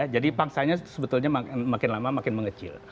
jadi pangsanya sebetulnya makin lama makin mengecil